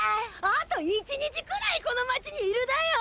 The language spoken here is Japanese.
あと１日くらいこの町にいるだよ。